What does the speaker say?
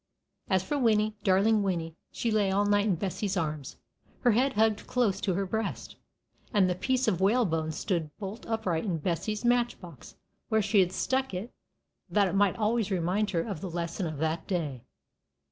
As for Winnie, darling Winnie, she lay all night in Bessie's arms, her head hugged close to her breast. And the piece of whalebone stood bolt upright in Bessie's match box, where she had stuck it that it might always remind her of the lesson of that day.